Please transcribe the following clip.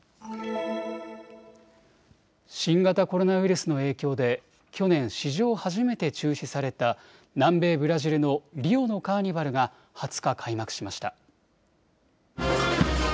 新型コロナウイルスの影響で去年、史上初めて中止された南米ブラジルのリオのカーニバルが２０日、開幕しました。